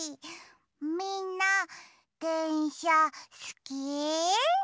みんなでんしゃすき？